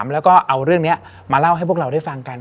แล้วก็เอาเรื่องนี้มาเล่าให้พวกเราได้ฟังกัน